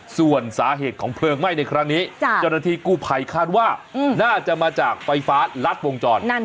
ส่วนสาเหตุของเพลิงไหม้ในครั้งนี้เจ้าหน้าที่กู้ภัยคาดว่าน่าจะมาจากไฟฟ้ารัดวงจร